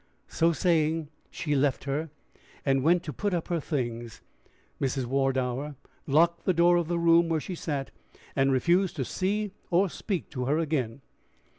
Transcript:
So saying, she left her, and went to put up her things. Mrs. Wardour locked the door of the room where she sat, and refused to see or speak to her again.